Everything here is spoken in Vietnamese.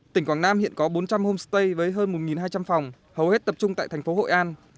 tỉnh quảng nam hiện có bốn trăm linh homestay với hơn một hai trăm linh phòng hầu hết tập trung tại thành phố hội an